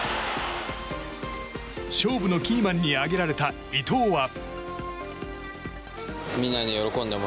勝負のキーマンに挙げられた伊東は。